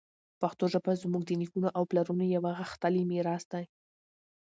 پښتو ژبه زموږ د نیکونو او پلارونو یوه غښتلې میراث ده.